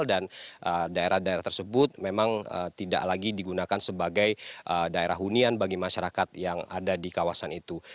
dan daerah daerah tersebut memang tidak lagi digunakan sebagai daerah hunian bagi masyarakat yang ada di kawasan itu